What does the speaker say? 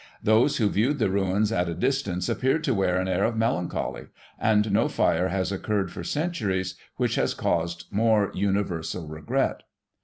Those who viewed the ruins at a distance appeared to wear an air of melancholy, and no fire has occurred, for centuries, which has caused more universal regret.